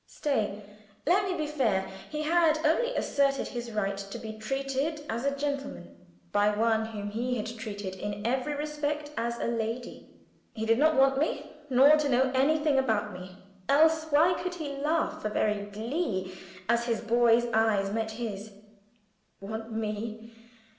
Stay! Let me be fair he had only asserted his right to be treated as a gentleman by one whom he had treated in every respect as a lady. He did not want me nor to know anything about me else, why could he laugh for very glee as his boy's eyes met his? Want me?